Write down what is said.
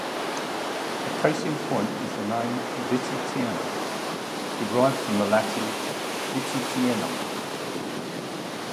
A case in point is the name "Vipiteno", derived from Latin "Vipitenum".